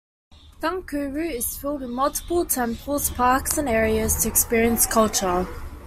Thung Khru is filled with multiple temples, parks and areas to experience culture.